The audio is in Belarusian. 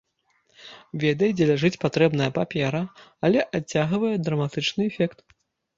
Ведае, дзе ляжыць патрэбная папера, але адцягвае драматычны эфект.